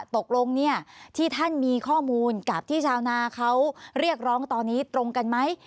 ตกลงที่ท่านมีข้อมูลกับที่ชาวนาเขาเรียกร้องตอนนี้ตรงกันไหม